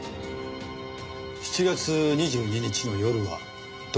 ７月２２日の夜はどこに？